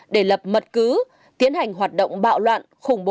để lập mật cứ tiến hành hoạt động bạo loạn khủng bố